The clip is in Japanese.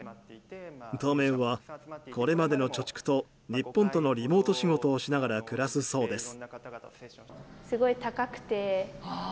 当面はこれまでの貯蓄と日本とのリモート仕事をしながら暮らすそうです。